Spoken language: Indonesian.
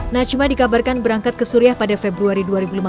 najma dikabarkan berangkat ke suriah pada februari dua ribu lima belas